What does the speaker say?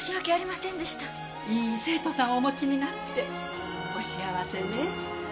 いい生徒さんをお持ちになってお幸せね。